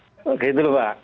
begitu lho pak